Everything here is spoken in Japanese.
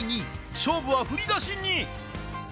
勝負は振り出しに。